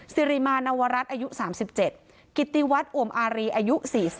สิริมาณวรัฐอายุ๓๗กิติวัฒน์อวมอารีอายุ๔๐